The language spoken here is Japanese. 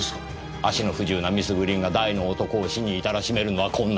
足の不自由なミス・グリーンが大の男を死に至らしめるのは困難です。